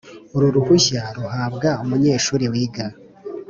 Uru ruhushya ruhabwa umunyeshuri wiga